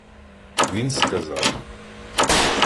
Він сказав: